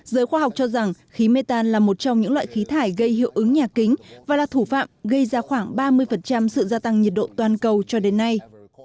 giới khoa học cho rằng khí mê tan là một trong những loại khí thải gây hiệu ứng nhà kính và là thủ phạm gây ra khoảng ba mươi sự gia tăng nhiệt độ toàn cầu cho đến nay